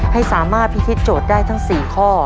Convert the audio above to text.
ให้สามารถพิธีโจทย์ได้ทั้ง๔ข้อ